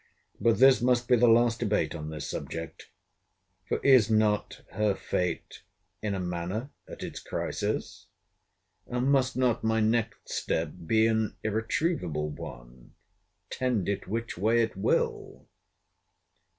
But this must be the last debate on this subject; for is not her fate in a manner at its crisis? And must not my next step be an irretrievable one, tend it which way it will?